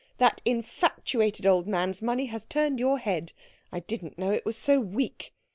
That infatuated old man's money has turned your head I didn't know it was so weak.